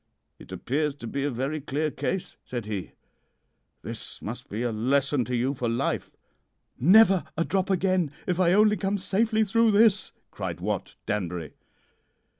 "'It appears to be a very clear case,' said he. 'This must be a lesson to you for life.' "'Never a drop again if I only come safely through this,' cried Wat Danbury.